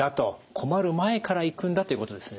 困る前から行くんだということですね。